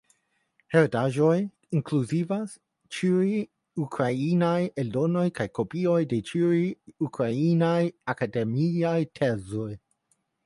Heredaĵoj inkluzivas ĉiuj ukrainaj eldonoj kaj kopioj de ĉiuj ukrainaj akademiaj tezoj.